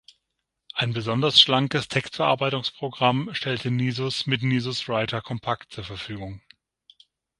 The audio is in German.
Ein besonders schlankes Textverarbeitungsprogramm stellte Nisus mit Nisus Writer Compact zur Verfügung.